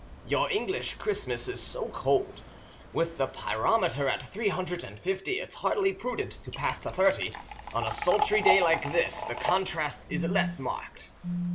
Your English Christmas is so cold. With the pyrometer at three hundred and fifty, it is hardly prudent to pass to thirty. On a sultry day like this the contrast is less marked."